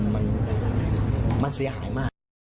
มันเสียหายมาก